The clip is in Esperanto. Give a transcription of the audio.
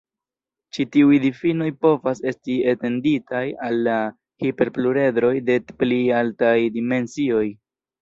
Ĉi tiuj difinoj povas esti etenditaj al hiperpluredroj de pli altaj dimensioj.